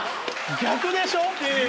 逆でしょ？